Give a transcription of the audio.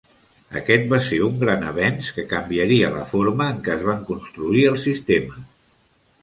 Aquest va ser un gran avenç que canviaria la forma en que es van construir els sistemes.